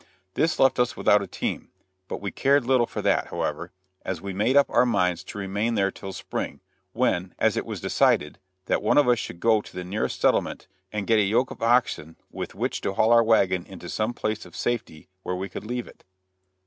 This left us without a team; but we cared little for that, however, as we had made up our minds to remain there till spring, when, and it was decided, that one of us should go to the nearest settlement and get a yoke of oxen with which to haul our wagon into some place of safety where we could leave it.